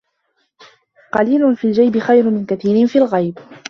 قليل في الجيب خير من كثير في الغيب